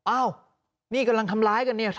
อ้าวนี่กำลังทำร้ายกันเนี่ย